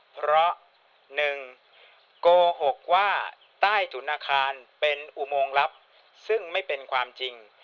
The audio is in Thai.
เพราะ๑โกหกว่าใต้ถุนอาคารเป็นอุโมงลับซึ่งไม่เป็นความจริง